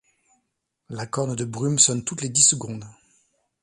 La corne de brume sonne toutes les dix secondes.